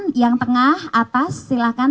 silahkan tengah atas silahkan